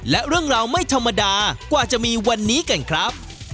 และเรื่องราวไม่ธรรมดากว่าจะมีวันนี้กันครับ